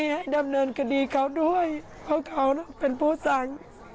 ให้ดำเนินคดีเขาด้วยเพราะเขาเป็นผู้สั่ง